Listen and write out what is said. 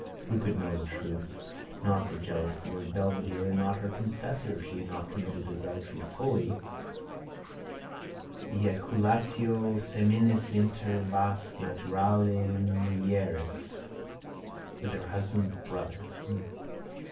Who could know the truth? Not the jealous lord Belvedere and not her confessor if she had not committed adultery fully, eiaculatio seminis inter vas naturale mulieris, with her husband's brother?